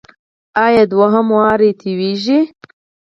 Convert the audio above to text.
ایا دوهم وار توییږي؟